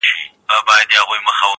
د مېږیانو وې جرګې او مجلسونه-